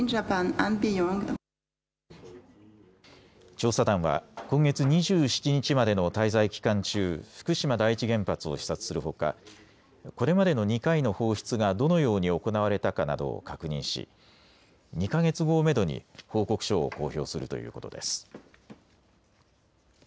調査団は今月２７日までの滞在期間中、福島第一原発を視察するほか、これまでの２回の放出がどのように行われたかなどを確認し２か月後をめどに報告書を公表するということです。